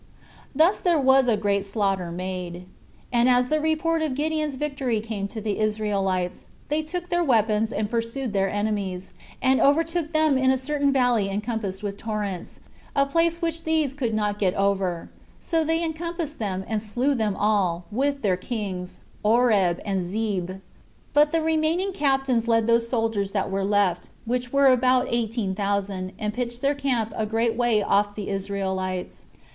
Thus there was a great slaughter made. And as the report of Gideon's victory came to the Israelites, they took their weapons and pursued their enemies, and overtook them in a certain valley encompassed with torrents, a place which these could not get over; so they encompassed them, and slew them all, with their kings, Oreb and Zeeb. But the remaining captains led those soldiers that were left, which were about eighteen thousand, and pitched their camp a great way off the Israelites.